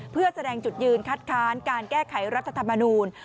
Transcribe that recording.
เพื่อแสดงจุดยืนคัดค้านการแก้ไขรัฐธรรมนูล